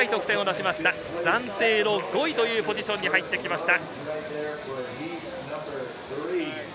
暫定５位というポジションに入ってきました。